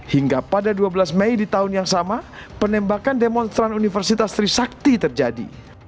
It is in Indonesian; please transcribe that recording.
hingga pada dua belas mei di tahun yang sama penembakan demonstran universitas trisakti terjadi